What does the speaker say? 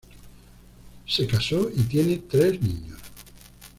Se casó y tiene tres niños.